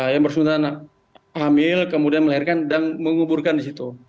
yang bersangkutan hamil kemudian melahirkan dan menguburkan di situ